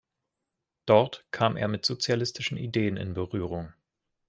Dort kam er mit sozialistischen Ideen in Berührung.